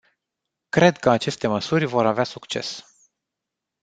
Cred că aceste măsuri vor avea succes.